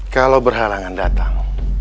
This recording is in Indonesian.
kalau berhalangan datang